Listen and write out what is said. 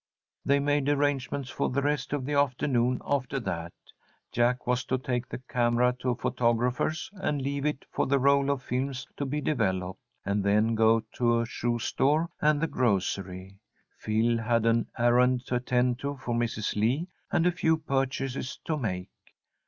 They made arrangements for the rest of the afternoon after that. Jack was to take the camera to a photographer's and leave it for the roll of films to be developed, and then go to a shoestore and the grocery. Phil had an errand to attend to for Mrs. Lee and a few purchases to make.